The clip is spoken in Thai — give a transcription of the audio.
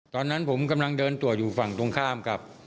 ตอนนั้นผมกำลังเดินตรวจอยู่ฝั่งตรงข้ามกับ